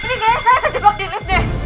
ini kayaknya saya kejebok di lift deh